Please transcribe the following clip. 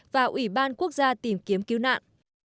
và ủy ban quốc gia tìm kiếm cứu nạn